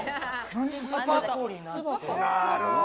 靴箱になってる。